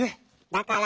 「だから」